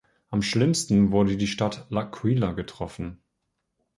Am schlimmsten wurde die Stadt L'Aquila getroffen.